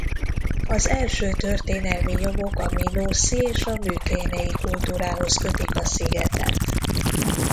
Az első történelmi nyomok a minószi és a mükénéi kultúrához kötik a szigetet.